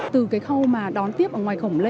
từ cái khâu mà đón tiếp ở ngoài khổng lễ